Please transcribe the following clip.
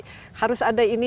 iya wah luar biasa nanti